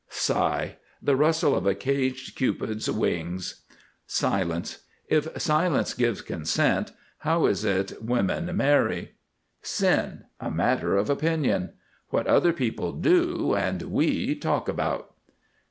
SIGH. The rustle of a caged cupid's wings. SILENCE. If silence gives consent, how is it women marry? SIN. A matter of opinion. What other people do and we talk about.